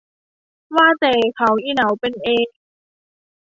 ว่าแต่เขาอิเหนาเป็นเอง